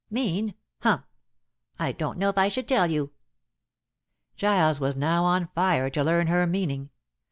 "Mean? Humph! I don't know if I should tell you." Giles was now on fire to learn her meaning.